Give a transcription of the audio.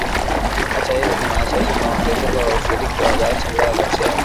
Hata hivyo kuna wasiwasi unaoongezeka wa ushiriki wa bahati mbaya kati yao